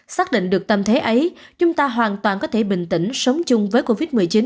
xác định được tâm thế ấy chúng ta hoàn toàn có thể bình tĩnh sống chung với covid một mươi chín